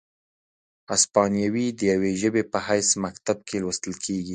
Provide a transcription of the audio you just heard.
هسپانیوي د یوې ژبې په حیث مکتب کې لوستل کیږي،